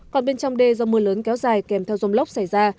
còn bên trong đê do mưa lớn kéo dài kèm theo dông lốc xảy ra